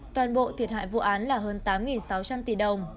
toàn bộ thiệt hại vụ án là hơn tám sáu trăm linh tỷ đồng